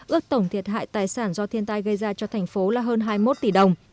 ước tổng thiệt hại tài sản do thiên tai gây ra cho thành phố là hơn hai mươi một tỷ đồng